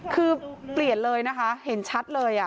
คือเปลี่ยนเลยนะคะเห็นชัดเลย